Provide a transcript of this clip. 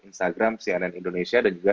instagram cnn indonesia dan juga